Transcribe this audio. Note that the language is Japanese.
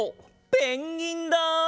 ペンギンだ！